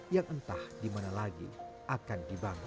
yang entah dimana lagi akan dibangun